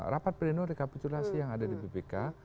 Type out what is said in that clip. rapat perino rekapitulasi yang ada di ppk